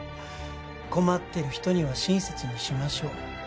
「困ってる人には親切にしましょう」